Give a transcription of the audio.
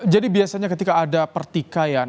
jadi biasanya ketika ada pertikaian